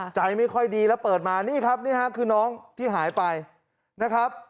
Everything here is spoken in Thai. ใจไม่ค่อยดีแล้วเปิดมานี่ครับนี่ฮะคือน้องที่หายไปนะครับ